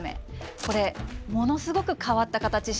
これものすごく変わった形してますよね。